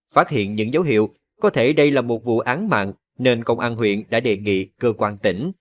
phát hiện những dấu hiệu có thể đây là một vụ án mạng nên công an huyện đã đề nghị cơ quan tỉnh